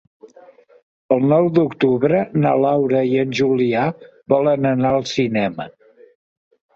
El nou d'octubre na Laura i en Julià volen anar al cinema.